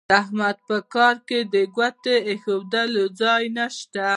د احمد په کار کې د ګوتې اېښولو ځای نه شته.